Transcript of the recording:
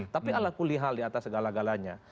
tapi ala kulihal di atas segala galanya